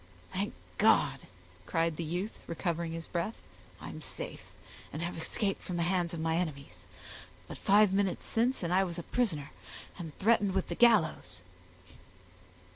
"Thank God!" cried the youth, recovering his breath, "I am safe, and have escaped from the hands of my enemies; but five minutes since and I was a prisoner, and threatened with the gallows."